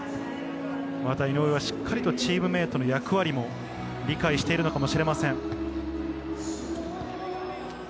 井上がしっかりとチームメートの役割も理解しているのかもしれません。